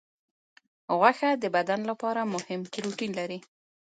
غوښه د بدن لپاره مهم پروټین لري.